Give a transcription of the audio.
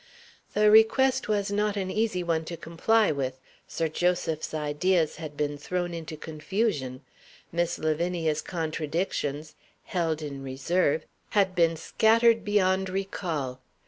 The request was not an easy one to comply with. Sir Joseph's ideas had been thrown into confusion. Miss Lavinia's contradictions (held in reserve) had been scattered beyond recall.